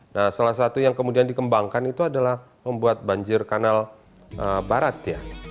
nah salah satu yang kemudian dikembangkan itu adalah membuat banjir kanal barat ya